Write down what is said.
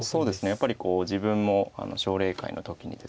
やっぱりこう自分も奨励会の時にですね